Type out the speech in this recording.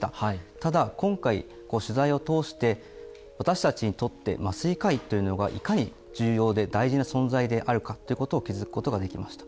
ただ今回取材を通して私たちにとって麻酔科医というのがいかに重要で大事な存在であるかということを気付くことができました。